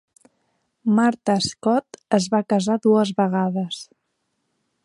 Martha Scott es va casar dues vegades.